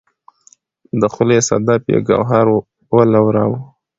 د خولې صدف یې ګوهر ولوراوه